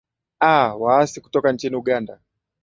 a waasi kutoka nchini uganda